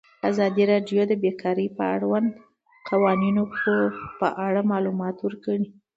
ازادي راډیو د بیکاري د اړونده قوانینو په اړه معلومات ورکړي.